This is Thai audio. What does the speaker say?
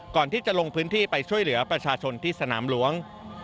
ก่อนที่จะลงพื้นที่ไปช่วยเหลือประชาชนที่สนามหลวง